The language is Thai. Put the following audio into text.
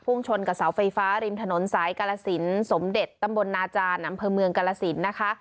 ชนกับเสาไฟฟ้าริมถนนสายกาลสินสมเด็จตำบลนาจารย์อำเภอเมืองกาลสินนะคะ